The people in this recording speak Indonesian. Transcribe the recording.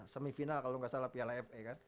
semifinal kalau gak salah piala fa